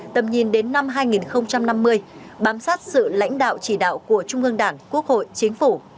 tầm nhìn đến năm hai nghìn năm mươi bám sát sự lãnh đạo chỉ đạo của trung ương đảng quốc hội chính phủ